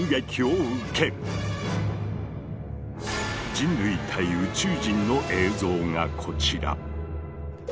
人類対宇宙人の映像がこちら！